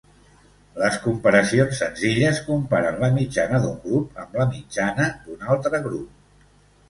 Les comparacions senzilles comparen la mitjana d'un grup amb la mitjana d'un altre grup.